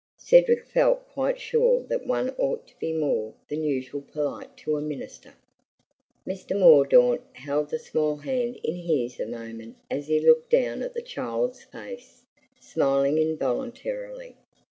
Cedric felt quite sure that one ought to be more than usually polite to a minister. Mr. Mordaunt held the small hand in his a moment as he looked down at the child's face, smiling involuntarily.